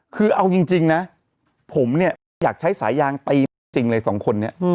คือเอาจริงนะผมเนี่ยไม่อยากใช้สายยางตีแม่จริงเลยสองคนนี้